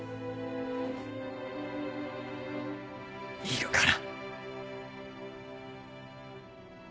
いるから。